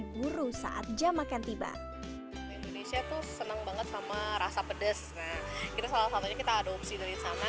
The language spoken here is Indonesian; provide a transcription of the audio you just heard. salah satunya kita ada opsi dari sana